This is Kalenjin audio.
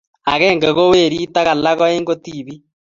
Akenge ko werit ak alak aeng ko tipik